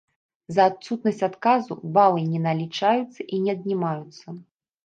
За адсутнасць адказу балы не налічаюцца і не аднімаюцца.